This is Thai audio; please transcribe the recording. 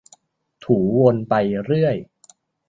ถูวนไปเรื่อย